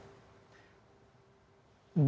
banyak agen yang tersebar di luar negeri memang